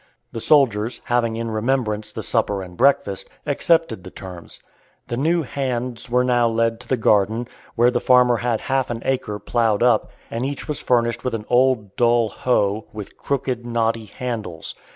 The soldiers, having in remembrance the supper and breakfast, accepted the terms. The new "hands" were now led to the garden, where the farmer had half an acre plowed up, and each was furnished with an old, dull hoe, with crooked, knotty handles.